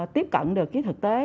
tiếp cận được cái thực tế